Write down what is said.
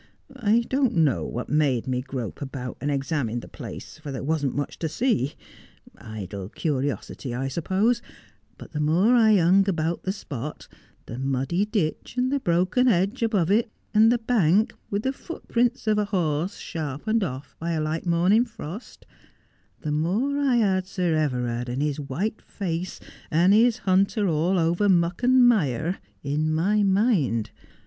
I don't know what made me grope about and examine the place, for there wasn't much to see — idle curiosity I suppose ; but the more I hung about the spot — the muddy ditch, and the broken hedge above it, and the bank, with the footprints of a horse sharpened off by a light morning frost, — the more I had Sir Everard and his white face, and his hunter all over muck and mire, in my mind.